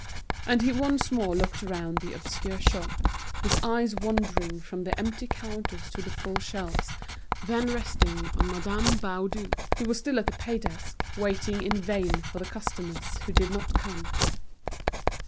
And he once more looked round the obscure shop, his eyes wandering from the empty counters to the full shelves, then resting on Madame Baudu, who was still at the pay desk, waiting in vain for the customers who did not come.